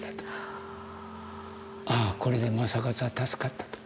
ああこれで政勝は助かったと。